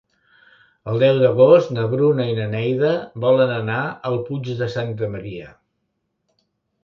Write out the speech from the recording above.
El deu d'agost na Bruna i na Neida volen anar al Puig de Santa Maria.